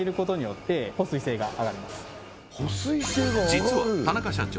実は田中社長